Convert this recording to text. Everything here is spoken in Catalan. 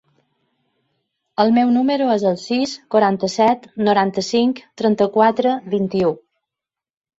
El meu número es el sis, quaranta-set, noranta-cinc, trenta-quatre, vint-i-u.